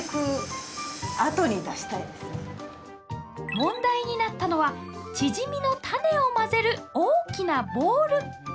問題になったのはチヂミのタネを混ぜる大きなボウル。